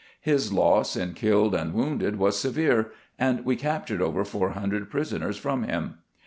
His loss in killed and wounded was severe, and we captured over four hundred prison ers from him.